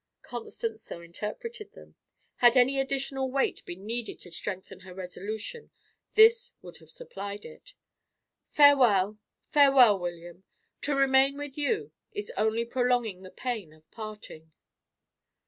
Constance so interpreted them. Had any additional weight been needed to strengthen her resolution, this would have supplied it. "Farewell! farewell, William! To remain with you is only prolonging the pain of parting."